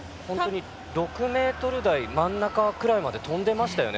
６ｍ台真ん中ぐらいまで跳んでいましたよね